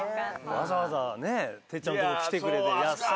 わざわざね哲ちゃんとこ来てくれて優しい。